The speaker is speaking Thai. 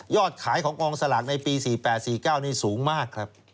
ขายของกองสลากในปี๔๘๔๙นี่สูงมากครับ